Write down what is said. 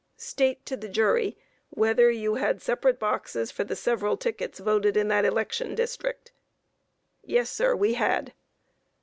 Q. State to the jury whether you had separate boxes for the several tickets voted in that election district? A. Yes, sir; we had.